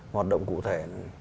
hoạt động cụ thể